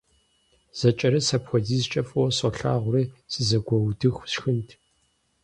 Зэкӏэрыс апхуэдизкӏэ фӏыуэ солъагъури сызэгуиудыху сшхынт.